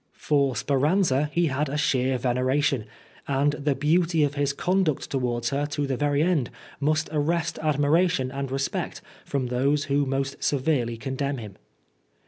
For Speranza he had a sheer veneration, and the beauty of his conduct towards her to the very end, must arrest admiration and respect from those who most severely condemn him.